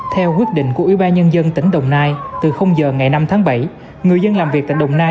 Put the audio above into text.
theo quyết định của ubnd tỉnh đồng nai từ giờ ngày năm tháng bảy người dân làm việc tại đồng nai